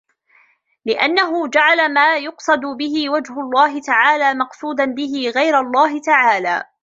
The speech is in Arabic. لِأَنَّهُ جَعَلَ مَا يُقْصَدُ بِهِ وَجْهُ اللَّهِ تَعَالَى مَقْصُودًا بِهِ غَيْرَ اللَّهِ تَعَالَى